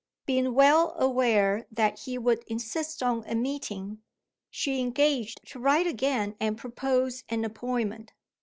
Being well aware that he would insist on a meeting, she engaged to write again and propose an appointment.